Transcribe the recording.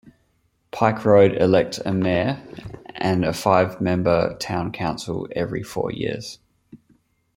Pike Road elects a mayor and a five-member town council every four years.